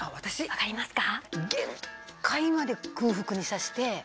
分かりますか？